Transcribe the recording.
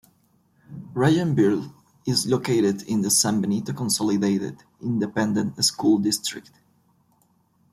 Rangerville is located in the San Benito Consolidated Independent School District.